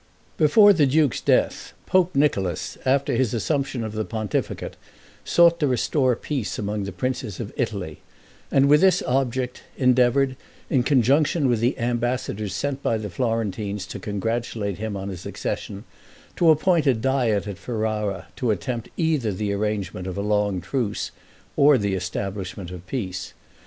Before the duke's death, Pope Nicholas, after his assumption of the pontificate, sought to restore peace among the princes of Italy, and with this object endeavored, in conjunction with the ambassadors sent by the Florentines to congratulate him on his accession, to appoint a diet at Ferrara to attempt either the arrangement of a long truce, or the establishment of peace.